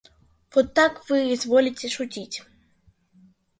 Вот как вы изволите шутить.